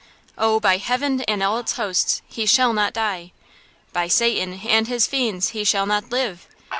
"Oh, heaven and all its hosts, he shall not die!" "By Satan and his fiends, he shall not live!